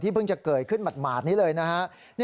เพิ่งจะเกิดขึ้นหมาดนี้เลยนะฮะ